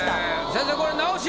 先生これ直しは？